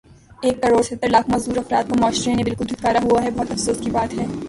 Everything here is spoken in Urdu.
ایک کڑوڑ ستر لاکھ معذور افراد کو معاشرے نے بلکل دھتکارا ہوا ہے بہت افسوس کی بات ہے